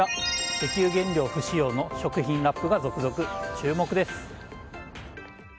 石油原料不使用の食品ラップが続々。